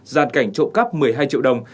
dàn cảnh trộm cắp một mươi hai triệu đồng